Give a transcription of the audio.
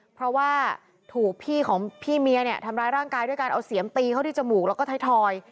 เพราะว่าถูกพี่ของพี่เมียเนี่ยทำร้ายร่างกายด้วยการเอาเสียมตีเข้าที่จมูกแล้วก็ไทยทอย